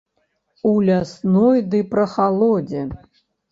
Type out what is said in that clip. У лясной ды прахалодзе.